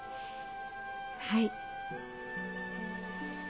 はい。